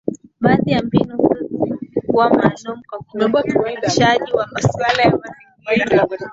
Baadhi ya mbinu hizo zilikuwa maalum kwa ujumuishaji wa masuala ya mazingira